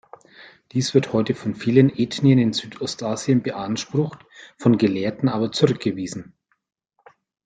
Dies wird heute von vielen Ethnien in Südostasien beansprucht, von Gelehrten aber zurückgewiesen.